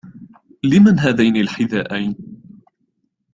لمن هذين الحذائين ؟